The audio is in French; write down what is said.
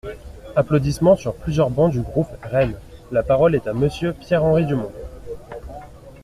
(Applaudissements sur plusieurs bancs du groupe REM.) La parole est à Monsieur Pierre-Henri Dumont.